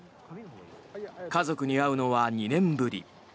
家族に会うのは２年ぶり。